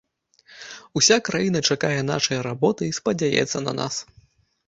Уся краіна чакае нашай работы і спадзяецца на нас.